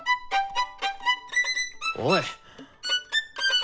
おい。